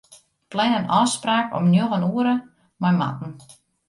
Plan in ôfspraak om njoggen oere mei Marten.